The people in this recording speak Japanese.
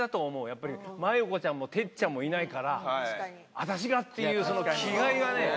やっぱり麻友子ちゃんも哲ちゃんもいないから私が！っていうその気概がね